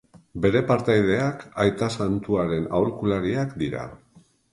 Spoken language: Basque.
Bere partaideak, Aita Santuaren aholkulariak dira.